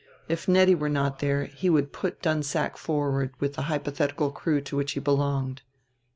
If Nettie were not there he would put Dunsack forward with the hypothetical crew to which he belonged.